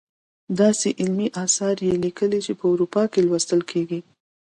داسې علمي اثار یې لیکلي چې په اروپا کې لوستل کیږي.